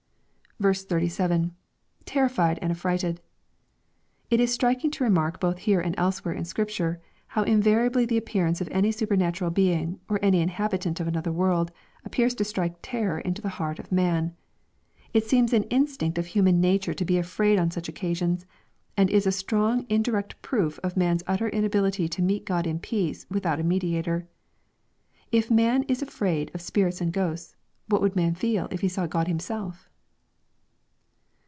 87 — [Terrified and affrighted.] It is striking to remark, both here and elsewhere in Scripture, how invariabl}' the appearance of any supernatural being, or any inhabitant of another world, appears to strike terror into the heart of man. It seems an instinct of human nature to be afraid on such occasions, and is a strong indirect proof of man's utter inability to meet G od in peace without a mediator. If man is afraid of spirits and ghosts, what would man feel if he saw Grod Himself